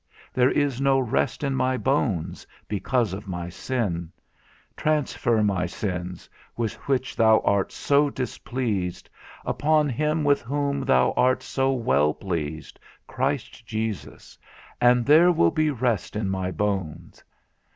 There is no rest in my bones, because of my sin; transfer my sins, with which thou art so displeased, upon him with whom thou art so well pleased, Christ Jesus, and there will be rest in my bones.